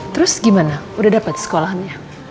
terus gimana udah dapet sekolahnya